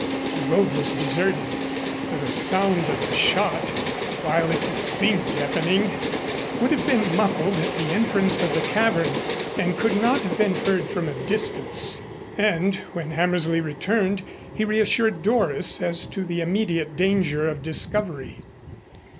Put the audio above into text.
The road was deserted. The sound of the shot, while it had seemed deafening, would have been muffled at the entrance of the cavern and could not have been heard from a distance. And when Hammersley returned, he reassured Doris as to the immediate danger of discovery.